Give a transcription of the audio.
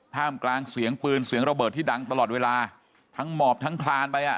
ท่ามกลางเสียงปืนเสียงระเบิดที่ดังตลอดเวลาทั้งหมอบทั้งคลานไปอ่ะ